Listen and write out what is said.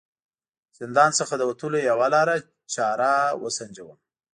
زندان څخه د وتلو یوه لاره چاره و سنجوم.